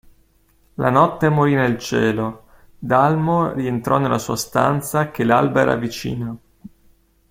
La notte morì nel cielo, Dalmor rientrò nella sua stanza che l'alba era vicina.